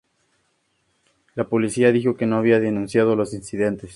La policía dijo que no había denunciado los incidentes.